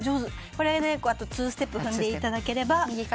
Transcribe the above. これでツーステップ踏んでいただければ。